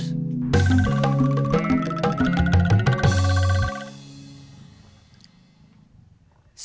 saya maunya masjid ini bukan cuma direnovasi